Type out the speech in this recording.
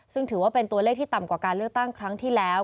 ซึ่งถือว่าเป็นตัวเลขที่ต่ำกว่าการเลือกตั้งครั้งที่แล้ว